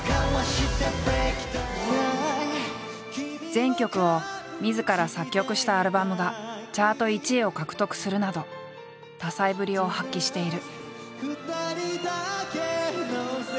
全曲をみずから作曲したアルバムがチャート１位を獲得するなど多才ぶりを発揮している。